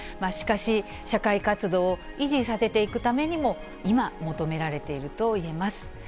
しかし、社会活動を維持させていくためにも今、求められているといえます。